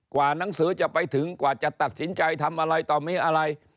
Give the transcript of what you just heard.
กว่าหนังสือจะไปถึงกว่าจะตัดสินใจทำอะไรต่อมีอะไร